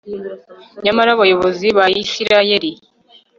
nyamara abayobozi ba isirayeli